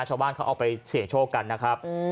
ชาวบ้านเขาเอาไปเสี่ยงโชคกันนะครับ